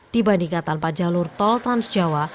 di bandingkan tanpa jalur tol trans jawa